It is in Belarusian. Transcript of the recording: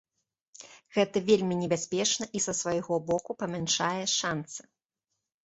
Гэта вельмі небяспечна, і, са свайго боку, памяншае шанцы.